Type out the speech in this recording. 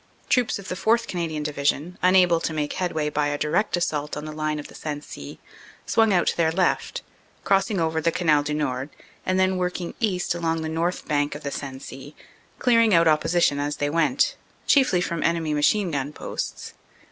Troops of the 4th. Canadian Division, unable to make headway by a direct assault on the line of the Sensee, swung out to their left, crossing over the Canal du Nord, and then working east along the north bank of the Sensee, clear ing out opposition as they went, chiefly from enemy machine gun posts.